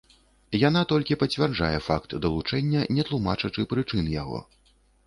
Яна толькі пацвярджае факт далучэння, не тлумачачы прычын яго.